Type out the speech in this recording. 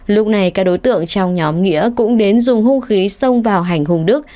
lúc này các đối tượng trong nhóm nghĩa cũng đến dùng hung khí xông vào hành hùng đức